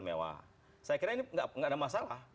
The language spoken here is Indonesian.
mewah saya kira ini nggak ada masalah